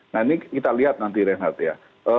nah ini kita lihat nanti reinhardt ya